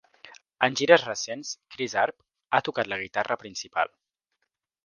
En gires recents, Chris Arp ha tocat la guitarra principal.